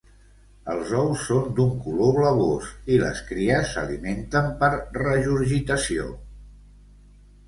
Els ous són d'un color blavós i les cries s'alimenten per regurgitació.